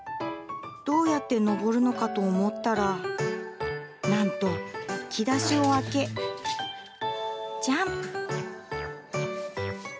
どうやって上るのかと思ったら、なんと引き出しを開け、ジャンプ。